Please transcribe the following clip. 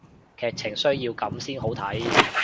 劇情需要噉先好睇